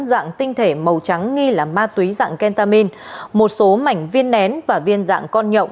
dạng tinh thể màu trắng nghi là ma túy dạng kentamin một số mảnh viên nén và viên dạng con nhộng